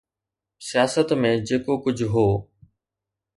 سياست ۾ جيڪو ڪجهه هو.